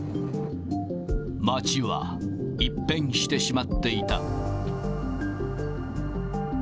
街は一変してしまっていた。